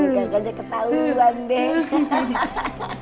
gak ada ketahuan deh